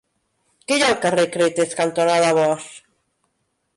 Què hi ha al carrer Cretes cantonada Bosch?